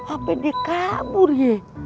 apa dia kabur ye